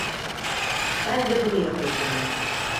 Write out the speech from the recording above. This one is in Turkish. Ben de bunu yapacağım.